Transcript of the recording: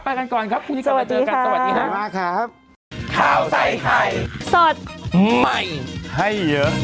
โปรดติดตามตอนต่อไป